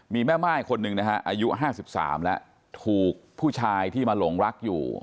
มีแม่ม่ายคนหนึ่งนะฮะอายุ๕๓แล้วถูกผู้ชายที่มาหลงรักอยู่